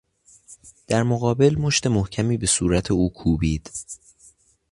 در مقابل، مشت محکمی به صورت او کوبید